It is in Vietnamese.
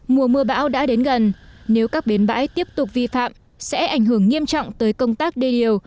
mùa mưa bão đã đến gần nếu các bến bãi tiếp tục vi phạm sẽ ảnh hưởng nghiêm trọng tới công tác đê điều